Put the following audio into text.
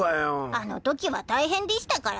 あのときは大変でぃしたからね。